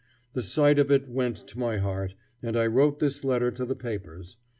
The sight of it went to my heart, and I wrote this letter to the papers.